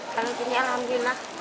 kalau ini alhamdulillah